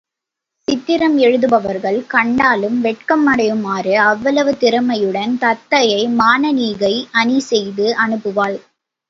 சித்திரம் எழுதுபவர்கள் கண்டாலும் வெட்கமடையுமாறு அவ்வளவு திறமையுடன் தத்தையை மானனீகை அணி செய்து அனுப்புவாள்.